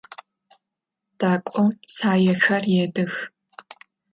Дакӏом саехэр едых.